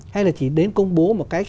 hay là chỉ đến công bố một cách